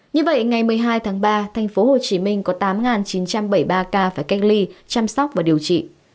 như vậy ngày một mươi hai tháng ba tp hcm có tám chín trăm bảy mươi ba ca phải cách ly chăm sóc và điều trị